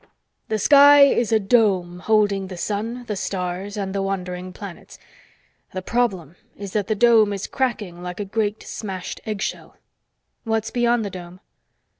The sky is a dome holding the sun, the stars and the wandering planets. The problem is that the dome is cracking like a great, smashed eggshell." "What's beyond the dome?"